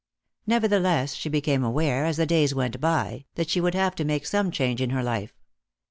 Nevertheless, she became aware, as the days went by, that she would have to make some change in her life.